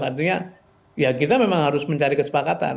artinya ya kita memang harus mencari kesepakatan